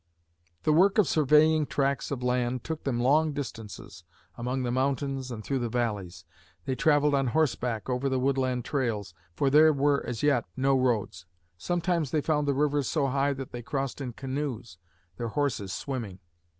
The work of surveying grants of land took them long distances among the mountains and through the valleys. They traveled on horseback over the woodland trails, for there were as yet no roads. Sometimes they found the rivers so high that they crossed in canoes, their horses swimming.